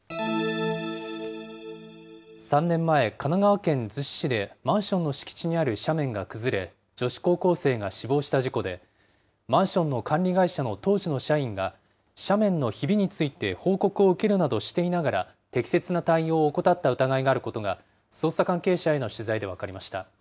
３年前、神奈川県逗子市でマンションの敷地にある斜面が崩れ、女子高校生が死亡した事故で、マンションの管理会社の当時の社員が、斜面のひびについて報告を受けるなどしていながら、適切な対応を怠った疑いがあることが、捜査関係者への取材で分かりました。